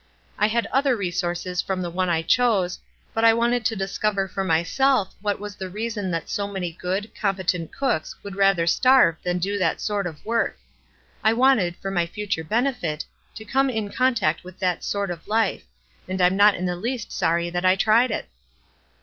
I had other resources from the one I chose, but I wanted to discover for myself what was the reason that so many good, competent cooks would rather starve than do that sort of work. I wanted, for my future benefit, to come in con tact with that sort of life ; and I'm not in the least sorry that I tried it."